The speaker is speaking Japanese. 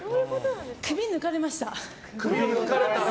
首抜かれました。